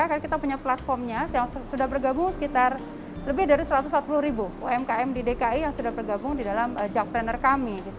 karena kita punya platformnya yang sudah bergabung sekitar lebih dari satu ratus empat puluh ribu umkm di dki yang sudah bergabung di dalam jakpreneur kami